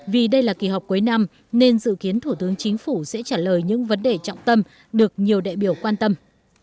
vì đây là kỳ họp cuối năm nên dự kiến thủ tướng chính phủ sẽ trả lời những vấn đề trọng tâm được nhiều đại biểu quan tâm